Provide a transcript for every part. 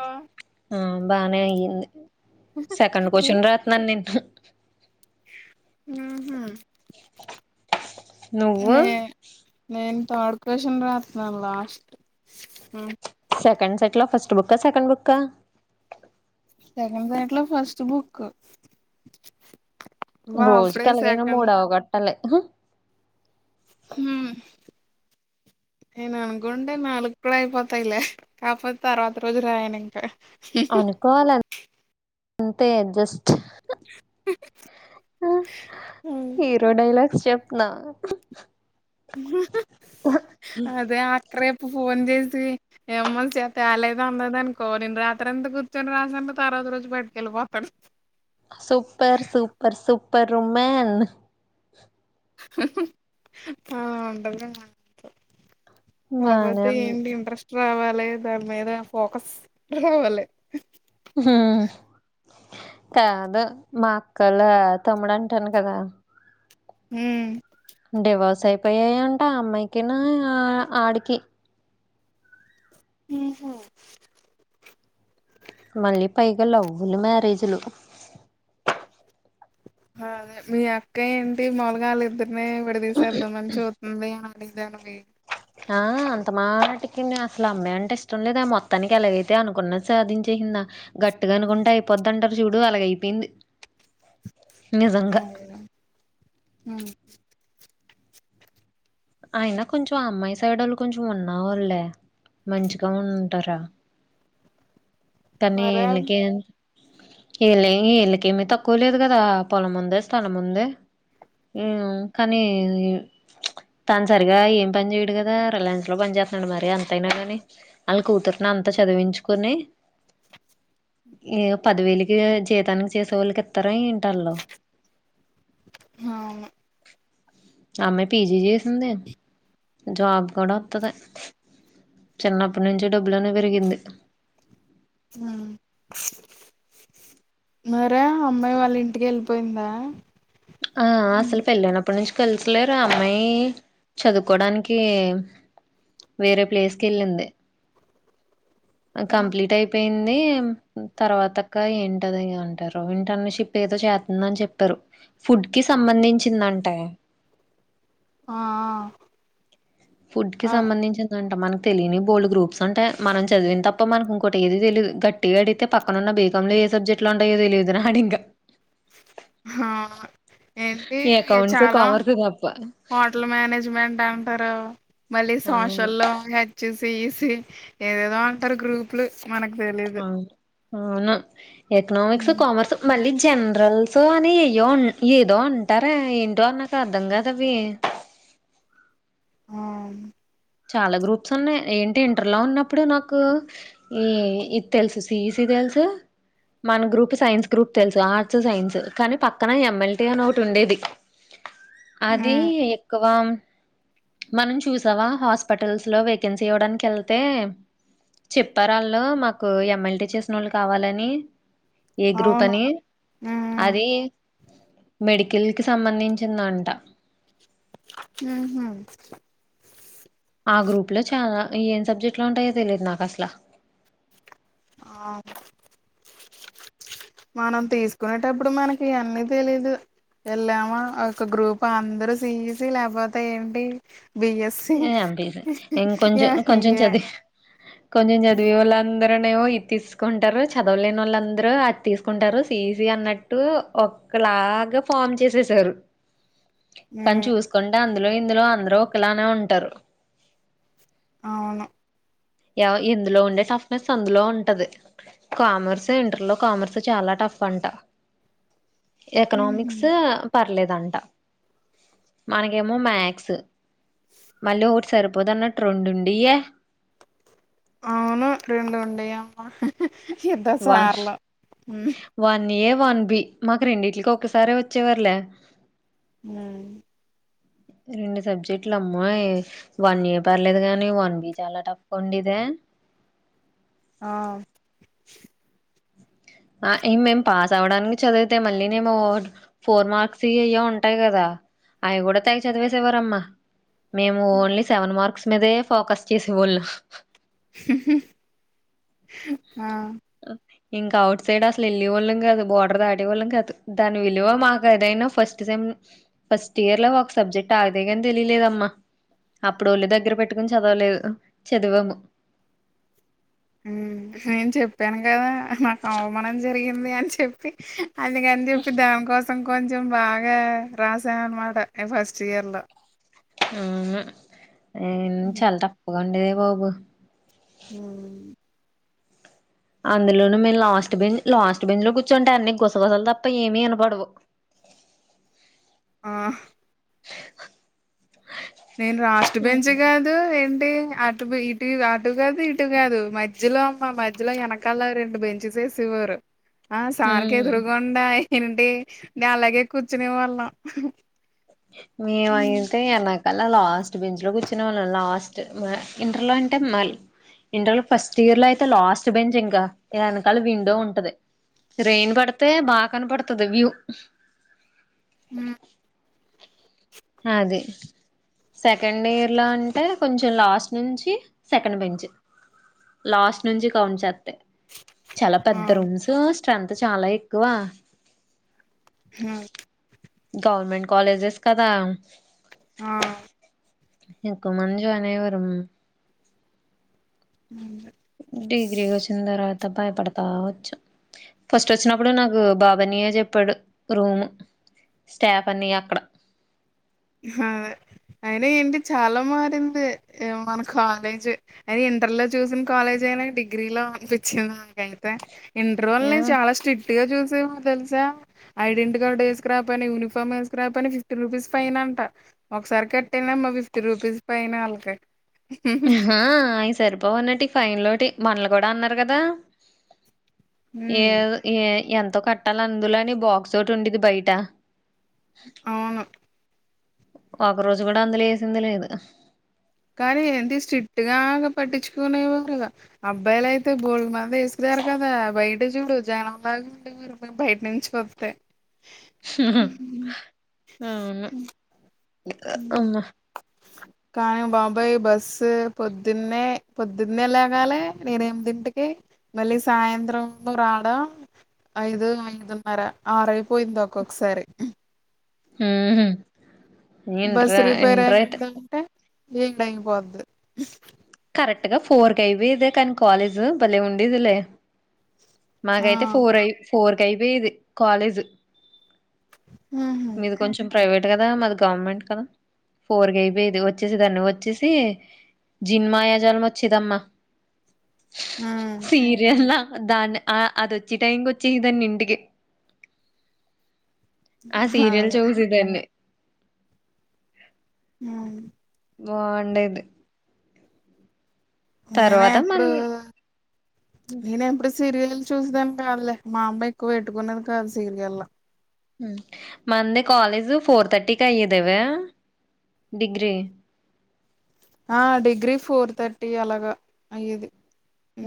ఊహు ఆ బానే అయింది సెకండ్ క్వచన్ రాతున్నాను నేను ఉహు నువ్వు మె మె థర్డ్ క్వషన్ రాతున్నాను లాస్ట్ సెకండ్స్ ఎట్లా ఫస్ట్ బుక్క, సెకండ్ బుక్కా? సెకండ్ సైట్ లో ఫస్ట్ బుక్ వా రోజు అప్పుడే కలాగైన సెకండ్ మూడవ గట్టలే హ ఏను అన్గండే నాలుగు కూడా అయిపోతాయిలే కాపోతే అర్వాత రోజు రాయనింకా అవునుకోవాల అంతే జస్ట్ హ హీరో డైలాగ్ చెప్న్నా హ్హ్ అదేఆన్ రేపు ఫోన్ చేసి ఏమ్మల్ చే తేలేదు అందద అనుకో నేను రాత్రి ఎంత కూర్చొని రాసాను. తారవాత రోజు బయటకెళ్ళిపోతాను. సూపర్ సూపర్ సూపర్ ఉమెన్ హ్హ్ ఆ ఉంటదిగా బానే కాకపోతే ఉంది ఏంటి ఇంట్రెస్ట్ రావాలి దాని మీద ఫోకస్ రావాలి. హ్మ్ కాదు మా అక్కలా తమ్ముడు అంటాను కదా హ్మ్ డివస్ సైపోయాయింట ఆ అమ్మాయికినా ఆ ఆడికి నీకె మళ్ళీ పైగా లవ్వులు మ్యారేజీలు అదే మీ అక్క ఏంటి మాములుగా వాళ్ళిద్దరిని విడదీసేద్దామని చూస్ ది అల్లిద్దర్ని ఆ అంత మాటికి అసలు అమ్మాయి అంటే ఇష్టం లేదే మొత్తానికి ఎలాగైతే అనుకున్నది సాధించేసిందా గట్టుగా అనుకుంటే అయిపోయిదంటారు చూడు అలాగయిపోయింది అవును మ్ అయినా కొంచెం అమ్మాయి సైడ్ వాళ్ళు కొంచం ఉన్నావాళ్ళే మంచిగా ఉంటారా తన్ని మరే ఇళ్లకి ఇళ్ళ ఇళ్ళకి ఏమిీ తక్కువ లేదు కదా పొలం ఉంది స్థలం ఉంది మ్ కానీ తాను సరిగా ఏం పని చేయడు కదా రిలయన్స్ లో పని చేస్తున్నాడు మరి అంత అయినా కాని వాళ్ళ కూతుర్ని అంత చ్ చదివించుకోని ఏో పదివేలుకి జీతానికి చేసే వాళ్ళకి ఇస్తారా ఏంటి అవును ఆ అమ్మాయి పీజీ చేసింది జాబ్ కూడా ఓత్తది చిన్నప్పటి నుంచి డబ్బులోనే పెరిగింది మ్ మారే అమ్మాయి వాళ్ళ ఇంటికి వెళ్ళిపోయిందా ఆ అసలు పెలైనప్పటి నుంచి కలిసిలేర అమ్మాయి చదువుకోడానికి వేరే ప్లేస్ కేళ్ళింది కంప్లీట్ అయిపోయిం ది తర్వాతక ఇంటది అంటారు ఇంటర్న్ షిప్ ఏందో చేస్తుంది అని చెప్పారు ఫుడ్ కి సంబంధించిందంట ఆ ఆ ఫుడ్ కి సంబంధించిందం ట మనకు తెలినివి బోల్డ్ గ్రూప్స్ ఉంటాయ్ మనం చదివింది తప్ప మనకి ఇంకోటి ఏది తెలీదు గట్టిగా అడిగితే పక్కన ఉన్న బే ంలో ఏ సబ్జెక్ట్ ఉంటాయో తెలియదు నా ఇంకా అవును ఏంటి ఈ ఇ అకౌంట్స్, చాలా కామర్స్ తప్ప. హోటల్ మేనేజ్మెంట్ అం ంటారు మళ్ళీ అవును. సోషల్ లో హెచ్ సిసి ఏదేదో అంటారు గ్రూపులు మనకు తెలీదు అవును. అవును ఉ ఎకనామిక్స్ కామర్స్ మళ్ళీ జనరల్స్ అని ఏయ్యో ఏదో ఉంటారే ఏంటో అవి నాకు అర్ధం కదవి ఆ చాలా గ్రూప్స్ ఉన్నాయ్ ఏంటి ఇంటర్ లో ఉన్నప్పుడు నాకు ఈ ఇది తెలుసు సిఈసి తెల్సు మన గ్రూప్ సైన్స్ గ్రూప్ తెలుసు ఆర్ట్స్ సైన్స్ కానీ పక్కన ఎమ్ఎల్టీ అని ఒకటి ఉండేది అది ఉమ్, ఎక్కువ మనం చూసావా హాస్ స్పిటల్స్ లో వేకెన్సీ ఇవ్వడానికి వెళ్తే చెప్పారు వాళ్ళు మాకు ఎమ్ఎల్టీ చేసిన వాళ్ళు కావాలని ఏ గ్రూప్ అవును అని అది మెడికల్ కి సంబంధించిందంట మ్ హు ఆ గ్రూప్ లో చాలా ఏం సబ్జెక్ట్లో ఉంటాయో తెలియదు నాకు అసలా ఆ మనం తీసుకునేటప్పుడు మనకి ఇయన్నీ తెలీదు వెళ్ళాము ఒక గ్రూప్ అందరు సీసి లేకపోతే ఏంటి బిఎస్సి ఏ ఎమ్ పి సి కొంచెం కొంచం ఇయే చదివి కొంచం చదివి వలాంద క్కనేమో ఇది తీసుకుంటారు చదవలేని వాళ్ళు అందరూ అది తీసుకుంటారు సిఈసి అన్నట్టు ఒక లాగా ఫామ్ చేసేసారు కానీ చూసుకుంటే అందులో ఇందులో అందరు ఒకలానే ఉంటరు అవును ఇందులో ఉండే టఫ్నెస్ అందులో ఉంటది కామర్స్ ఇంటర్లో కామర్స్ చాలా టఫ్ అంట ఎకనామిక్స్ పర్లేదంట మనకేమో మ్యాథ్స్ మళ్ళి ఒకటి సరిపోదన్నట్టు రెండు ఉండియ్యే అవును రెండు ఉండేవి అమ్మ పెద్దసార్లు నే వన్బి మాకు రెండింటిలికి ఒకసారే వచ్చేవర్లే ఉ రెండు సబ్జెక్టులు అమ్మాయ్ వన్ ఏ పర్లేదు గాని వన్ బి చాలా టఫ్ కొండి ఇదే ఆ ఆ ఇ మేము పాస్ అవ్వడానికి చదివితే మళ్ళీ నేమో ఫోర్ మార్క్స్ ఇయే ఉంటాయి కదా అవి కూడా తెగ చదివేసేవారమ్మా మేము ఓన్లీ సెవెన్ మార్క్స్ మీదే ఫోకస్ చేసేవోళ్ళు ఆ ఇంకా ఔట్ సైడ్ అసలు వెళ్ళేవాళ్ళం కాదు బోర్డర్ దాటి వాళ్ళం కాదు దాని విలువ మాకు ఏదైనా ఫస్ట్ సెమ్ ఫస్ట్ ఇయర్లో ఒక సబ్జెక్ట్ ఆగిదేగాని తెలిలేదమ్మా అప్పుడు ఒళ్లు దగ్గర పెట్టుకుని చదవలేదు చదివాము నేను చెప్పాను కదా నాకు అవమానం జరిగింది అని చెప్పి అందుగని చెప్పి దాం కోసం కొంచెం బాగా రాసాఅనమాట ఈ ఫస్ట్ ఇయర్లో ఆవునా ఏ చాలా తప్పుగా ఉండేది బాబు ఊ అందులోను మేము లాస్ట్ బెంచ్ లాస్ట్ బెంచ్లో కూర్చుంటే అన్ని గుసగుసలు తప్ప ఏమి వినపడవు ఆ నేను రాస్ట్ బెంచ్ కాదు ఏం అటు ఇటు అటు కాదు ఇటు కాదు మధ్యలో అమ్మ మధ్యలో వెనకాల రెండు బెంచెస్ శవరు ఆ సార్కి ఎదురుగా ఉండా ఏంటి నేను అలాగే కూర్చునే వాళ్ళం మీ ఉ వాంగతే ఎనా కలా లాస్ట్ బెంచ్లో కూర్చునే వాళ్ళం లాస్ట్ ఇంటర్లో అంటే మ ఇంటర్ ఫస్ట్ ఇయర్లో అయితే లాస్ట్ బెంచ్ ఇంకా వెనకాల విండో ఉంటది రెయిన్ పడితే బాగా కనపడుతది వ్యూ ఉ అది సెకండ్ ఇయర్ లో అంటే కొంచెం లాస్ట్ నుంచి సెకండ్ బెంచ్ లాస్ట్ నుంచి కౌంట్ చేస్తే చాలా ఆ పెద్ద రూమ్స్ స్ట్రెంత్ చాలా ఎక్కువ ఉమ్, గవర్నమెంట్ కాలేజెస్ కదా ఆ ఇంతకముంజు అనే వరం డిగ్రీ వచ్చిన తర్వాత భయపడతా వచ్చు ఫస్ట్ వచ్చినప్పుడు నాకు బాబానియ చెప్పాడు రూమ్ స్టాఫ్ అన్ని అక్కడ హు అయిన ఏంటి చాలా మారింది మన కాలేజ్ అయిన ఇంటర్ లో చూసిన కాలేజీ నేను డిగ్రీలో అనిపించింది నాకైతే ఇంటర్ ఒళ్ళని చాలా స్ట్రిక్ట్ గా చుస్ తెలుసా ఐడెంటి కార్డ్ వేసుకు రాకపోయినా యూనిఫార్మ్ వేస్కరాకపోయిన ఫిఫ్టీ రూపీస్ ఫైనంట ఒకసారి కట్టనమ్మ ఫిఫ్టీ రూపీస్ ఫైన ఆళ్ళకి ఆ అవి సరిపోవున్నట్టు ఫైన్ లోటి మనలు కూడా అన్నారు కదా ఏ ఉమ్. ఏ ఎం తో కట్టాలి అందులోని బాక్స్ ఒటి ఉండేది బయట అవును ఒక రోజు కూడా అందులో ఏసింది లేదు కానీ ఏంటి స్ట్రిక్ట్ గా పట్టించుకునేవు రిగా అబ్బాయిలయితే బోల్డు మంది వేస్ వారు కదా బయట చూడు జనంలాగా ఉండే మీరు మే బయట నుంచి వత్తే అవును అమ్మ కానీ బాబాయ్ బస్సు పొద్దున్నే పొద్దున్నే లేగాలి ఎనిమిదింటికి మళ్ళీ సాయంత్రం రాడ ఐదు ఐదున్నర ఆర్ పోయింది ఒక్కొక్కసారి ఉ బస్ రిపేర్ అయిందంటె ఏడయిపోద్ది కరెక్ట్ గా ఫోర్ కయిపోయెద కని కాలేజ్ భలే ఉండేదిలే ఆ మాకైతే ఫోర్ అయ్ ఫోర్ కయిపోయేది కాలేజ్ ఉహు మీది కొంచెం ప్రైవేట్ అంట కదా మాది గవర్నమెంట్ కదా ఫోర్ కయిపోయేది వచ్చేసే దాన్ని వచ్చేసి జిన్మాయాజాలం వచ్చేదమ్మా ఉమ్ దాన్ని ఆ అదొచ్చి టైంకి వచ్చేదాన్ని ఇంటికి ఆ సీరియల్ అదే చూసేదాన్ని ఉ బాండేది నేనే ఎప్పుడు మన్ నేనే ఎప్పుడు సీరియల్ చూసే దాన్ని కాదులే మా అమ్మ ఎక్కువ పెట్టుకునేది కాదు సీరియల్ మందే కాలేజ్ ఫోర్ థర్టీకి అయ్యేదవే డిగ్రి ఆ డిగ్రీ ఫోర్ థర్టీ అలాగా అయ్యేది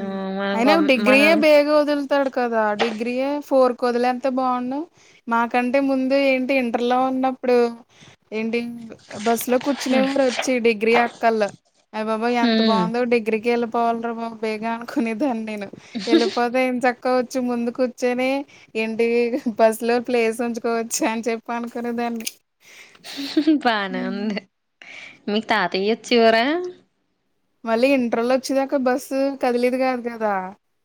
ఆ మనం అయినా గమ్ మన డిగ్రీయే బేగ వదులుతాడు కదా డిగ్రీయే ఫోర్ కుదిలేంత బాగుంన్ను మాకంటే ముందు ఏంటి ఇంటర్లో ఉన్నప్పుడు ఏంటి బస్ లో కూర్చునే వారు వచ్చి డిగ్రీ అక్కోళ్ళు అయ్ బాబోయ్ ఎంత హ్మ్ బాగుందో డిగ్రీ ఇంటికి వెళ్ళిపోవాల్రా బాబు బేగా అనుకునేదాన్ని నేను వెళ్ళిపోతే ఎంచక్క క వచ్చు ముందుకు కుచ్చొని ఇంటి బస్సు లో ప్లేస్ ఉంచుకోవచ్చు అని చెప్ప అనుకునేదా కన్ బానే ఉంది మీకు తాతయ్యోచ్చేవోరా మళ్ళీ ఇంటర్లోచ్చేదాకా బస్సు కదిలేదు కాదు కదా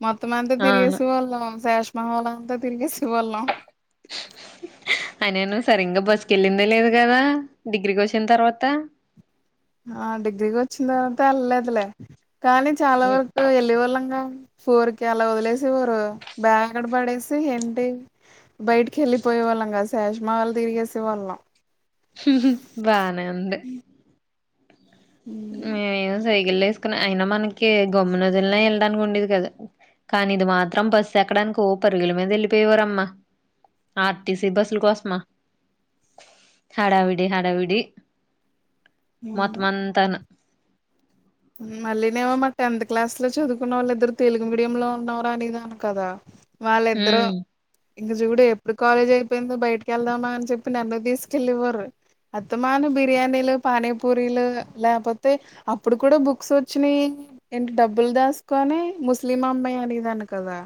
మొత్తమంతా అవును తిరిగేసే వోళ్ళుం శేష్మహోల్ అంతా తిరిగేసి వొళ్ళం అయినను సరింగా బస్సుకెళ్ళిందే లేదు గదా డిగ్రీకోచ్చిన తర్వాత ఆ డిగ్రీకి వచ్చిన తర్వాత ఎళ్లేదులే కానీ చాలా వరకు ఎళ్ళీ వోళ్ళంగా ఫోర్కి అలా వదిలేసి ఊరు బ్యాగకడ పడేసి ఏంటి బయటికెళ్ళిపోయే వాళ్ళం కదా శాష్మాహల్ తిరిగేసే వాళ్ళం బానే ఉంది మేమొ సైగల్ చేసుకున్నా అయినా మనకి గమ్మునదులినా ఎళ్డానికి ఉండేది కాదు కానిది మాత్రం బస్సేక్కడానికో పరుగుల మీద వెళ్ళిపోయేవారమ్మా ఆర్టీసీ బస్సుల కోసమా హడావిడి హడావిడి ఉమ్, మొత్తమంతాను మళ్ళీనేమో మా టెన్త్ క్లాస్ లో చదువుకున్న వాళ్ళు ఇద్దరు తెలుగు మీడియంలో ఉన్నావ్ర అనేదాన్ని కదా వాళ్ళిద్దరు ఉమ్ ఇంక చూడు ఎప్పుడు కాలేజ్ అయిపోయిందో బయటకి వెళ్దామా అని చెప్పి నన్ను తీసుకెళ్లివోరు అత్తమాను బిర్యానీలు పానీపూరీలు లేపోతే అప్పుడు కూడా బుక్సొచ్చినియ్ ఇంటి డబ్బులు దాసుకొనీ ముస్లిం అమ్మాయి అనేదాన్ని కదా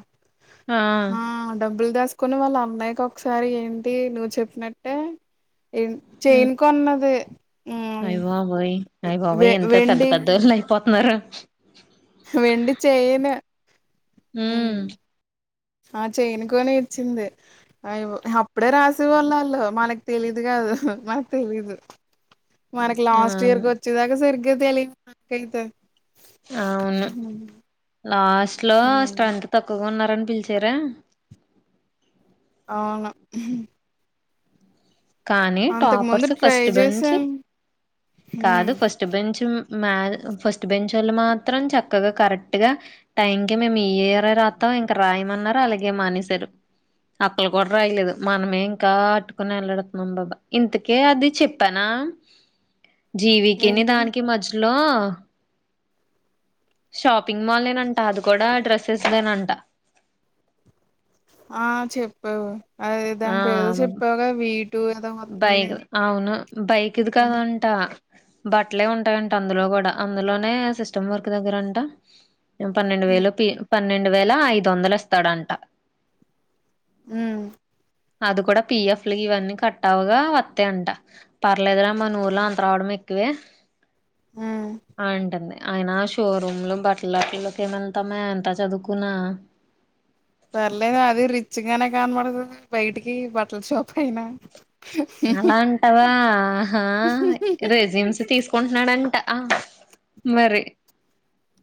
ఆ డబ్బల్ దాస్ కొని వాళ్ళ అన్నయ్యకోక్కసారి ఏంటి నువ్ చెప్పినట్టే ఏన్ట్ చైను కొన్నది ఉమ్ అయ్బాబోయ్ అయ్బాబోయ్ వె ఎంత పెద్ద వెండి పెద్దోళ్ళు అయిపోతున్నారో వెండి చైను హ్మ్ ఆ చైనుకోని ఇచ్చింది అయ్బ్ అప్పుడే రాసేవాళ్ళ ఆళ్ళు మనకు తెలీదుగా కాదు మనకి తెలీదు మనకి లాస్ట్ అవును ఇయర్కొచ్చేదాకా సరిగ్గా తెలియదు నాకైతే అవ్ను ఉమ్, లాస్ట్లో స్ట్రెంత్ తక్కువగా ఉన్నా రన్ పిలిచార అవును హ్మ్ కానీ ముందు టాపర్స్ ట్రై ఫస్ట్ బెంచ్ చేసాను కాదు ఫస్ట్ బెంచ్ మ ఫస్ట్ బెంచోళ్ళు మాత్రం చక్కగా కరెక్ట్ గా టైంకె మేము ఈ ఇయరే రాత్తం ఇంక రాయమన్నారు అలాగే మానేసారు అక్కలు కూడా రాయలేదు మనమే ఇంకా అట్టుకొని వెల్లడ అం బాబా ఇంతకే అది చెప్పానా జీవికిని ఏంటి దానికి మధ్య లో షాపింగ్ మాలేనంట అది కూడా డ్రెస్సెస్ దేనంట ఆ చెప్పావు అదే దాని పేరు ఆ చెప్పావుగా వీ బైక్ అవును బైక్ది కదంట బట్లే ఉంటాయంట అందులో కూడా అందులోనే సిస్టమ్ వర్క్ దగ్గరంట పన్నెండు వేలు పి పన్నెండు వేల ఐదొందలిస్తాడంట మ్ అది కూడా పిఎఫ్లు ఇవన్నీ కట్టవగా వత్తయంట పర్లేదురా మనూర్లో అంత రావడమే క్కువే ఉమ్ అంటంది అయినా షోరూమ్ లో బట్లవటికి ఎం వెళ్తామే అంత చదువుకున్నా పర్లేదు అది రిచ్ గానే కానపడుతది బయటికి బట్టల షాప్ అయినా అలా అంటావా ఆహా రేజిమ్స్ తీసుకుంటున్నాడంట ఆ మరి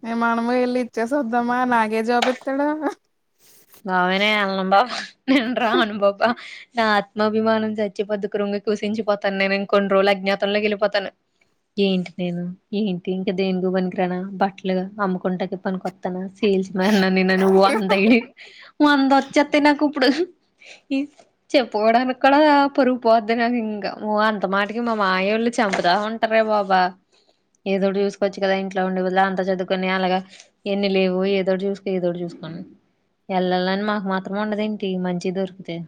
ఏ మనము వెళ్ళి ఇచ్చేసి వద్దామా నాగే జాబ్ ఇస్తాడు బాబోయ్ నేను ఎళ్ళను బాబా నేను రాను బాబా నా ఆత్మాభిమానం చచ్చి పోద్ధి క్రుంగి కుసించిపోతాను నేను ఇంకొన్ని రోజులు అజ్ఞాతంలోకిళ్ళిపోతాను ఏంటి నేను ఏంటి ఇంకా దేనికి పనికిరాన బట్టలు అమ్ముకుంటానీకె పనికొత్తానా సేల్స్ మ్యాన్ నిన్న నువ్ వంద వచ్చేత్తయి నాకు ఇప్పుడు ఈ చెప్పుకోవడానికి కూడా పొరుగుపోద్ది నాకు ఇంకా అంత మాటికి మా మాయవాళ్ళు చంపుతా ఉంటారే బాబా ఏదో చూసుకోవచ్చు కదా ఇంట్లో ఉండే వళ్ల అంత చదువుకుొని అలాగ ఎన్ని లేవు ఏదోటి చూసుకో ఏదో చూసుకో వెళ్ళాలని మాకు మాత్రం ఉండదు ఏంటి మంచి దొరుకుతే